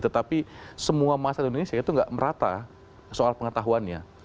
tetapi semua masyarakat indonesia itu tidak merata soal pengetahuannya